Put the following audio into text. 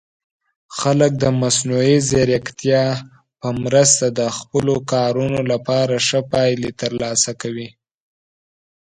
خلک د مصنوعي ځیرکتیا په مرسته د خپلو کارونو لپاره ښه پایلې ترلاسه کوي.